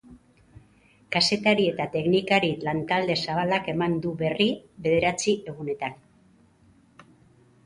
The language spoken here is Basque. Kazetari eta teknikari lantalde zabalak emango du berri bederatzi egunetan.